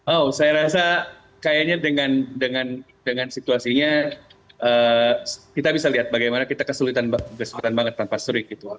oh saya rasa kayaknya dengan situasinya kita bisa lihat bagaimana kita kesulitan banget tanpa surik gitu